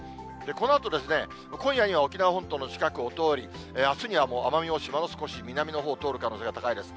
このあと、今夜には沖縄本島に近くを通り、あすにはもう奄美大島の少し南のほう通る可能性、高いです。